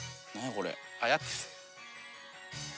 これ。」